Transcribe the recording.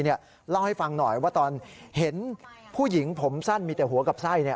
เล่าให้ฟังหน่อยว่าตอนเห็นผู้หญิงผมสั้นมีแต่หัวกับไส้